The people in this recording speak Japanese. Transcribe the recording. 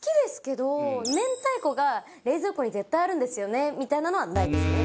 明太子が冷蔵庫に絶対あるんですよねみたいなのはないですね。